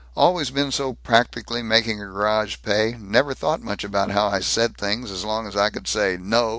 Always been so practical, making a garage pay, never thought much about how I said things as long as I could say 'No!'